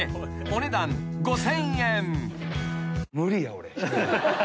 ［お値段５，０００円］